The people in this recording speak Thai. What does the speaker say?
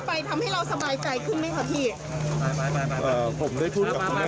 ระวังระวังระวังระวังระวังระวังระวังระวังระวังระวัง